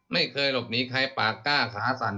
ไม่เคยหลบหนีใครปากกล้าขาสั่น